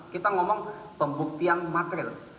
kita ngomong pembuktian material